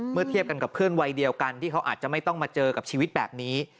เทียบกันกับเพื่อนวัยเดียวกันที่เขาอาจจะไม่ต้องมาเจอกับชีวิตแบบนี้